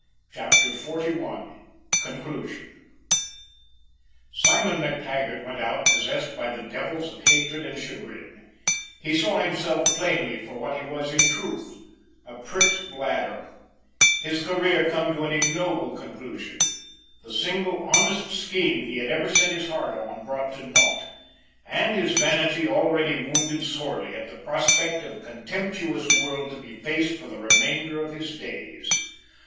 CHAPTER XLI CONCLUSION Simon MacTaggart went out possessed by the devils of hatred and chagrin. He saw himself plainly for what he was in truth a pricked bladder, his career come to an ignoble conclusion, the single honest scheme he had ever set his heart on brought to nought, and his vanity already wounded sorely at the prospect of a contemptuous world to be faced for the remainder of his days.